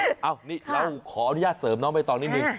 เอ้านี่เราขออนุญาตเสริมน้องใบตองนิดนึง